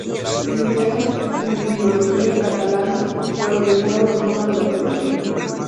Licenciada en Filología Catalana por la Universidad Autónoma de Barcelona.